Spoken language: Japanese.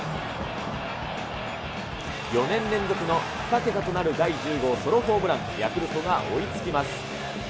４年連続の２桁となる第１０号ソロホームラン、ヤクルトが追いつきます。